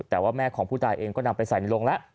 แต่ว่าแม่ของผู้ตายเองก็นำไปใส่ในโรงแล้ว